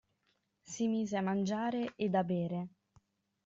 Si mise a mangiare ed a bere.